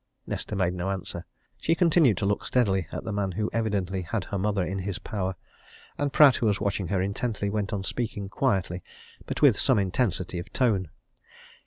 Nesta made no answer. She continued to look steadily at the man who evidently had her mother in his power, and Pratt, who was watching her intently, went on speaking quietly but with some intensity of tone.